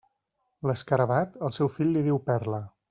L'escarabat, al seu fill li diu perla.